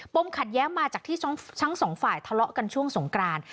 ขัดแย้งมาจากที่ทั้งสองฝ่ายทะเลาะกันช่วงสงกราน